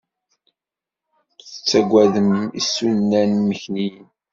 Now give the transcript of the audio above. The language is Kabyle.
Tettagadem isunan imekniyen.